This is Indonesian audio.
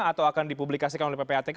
atau akan dipublikasikan oleh ppatk